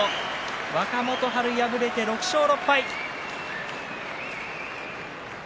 若元春、敗れて６勝６敗。